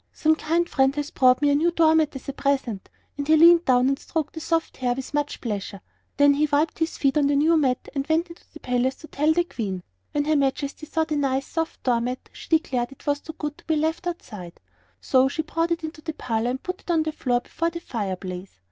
some kind friend has brought me a new door mat as a present," and he leaned down and stroked the soft hair with much pleasure. Then he wiped his feet on the new mat and went into the palace to tell the Queen. When her Majesty saw the nice, soft door mat she declared it was too good to be left outside; so she brought it into the parlor and put it on the floor before the fire place.